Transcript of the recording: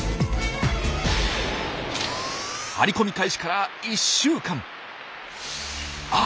張り込み開始からあっ！